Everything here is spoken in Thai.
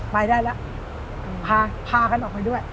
ไปได้แล้วพากันออกไปด้วย